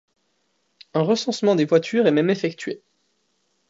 Un recensement des voitures est même effectué.